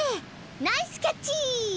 ナイスキャッチ！